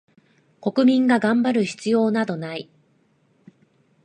国民が頑張る必要などない